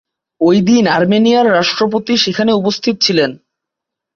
ঐদিন আর্মেনিয়ার রাষ্ট্রপতি সেখানে উপস্থিত ছিলেন।